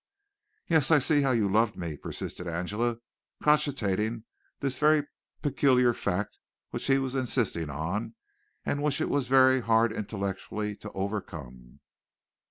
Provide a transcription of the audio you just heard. "Yes, I see how you love me," persisted Angela, cogitating this very peculiar fact which he was insisting on and which it was very hard intellectually to overcome.